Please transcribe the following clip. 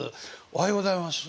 おはようございます。